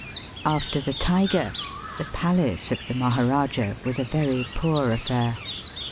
After the tiger the palace of the Maharajah was a very poor affair.